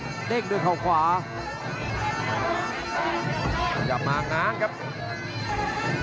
อื้อหือจังหวะขวางแล้วพยายามจะเล่นงานด้วยซอกแต่วงใน